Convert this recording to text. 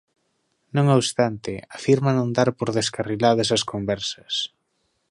Non obstante, afirma non dar por descarriladas as conversas.